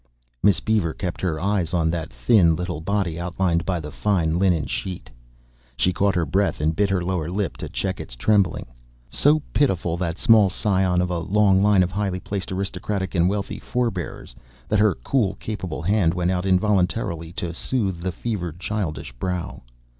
Miss Beaver kept her eyes on that thin little body outlined by the fine linen sheet. She caught her breath and bit her lower lip to check its trembling. So pitiful, that small scion of a long line of highly placed aristocratic and wealthy forebears, that her cool, capable hand went out involuntarily to soothe the fevered childish brow.